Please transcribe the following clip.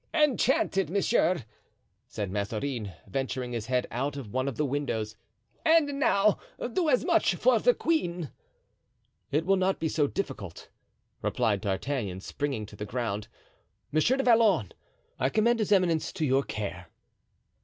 "Enchanted, monsieur," said Mazarin, venturing his head out of one of the windows; "and now do as much for the queen." "It will not be so difficult," replied D'Artagnan, springing to the ground. "Monsieur du Vallon, I commend his eminence to your care."